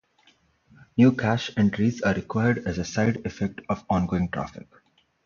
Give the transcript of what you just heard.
New cache entries are acquired as a side effect of ongoing traffic.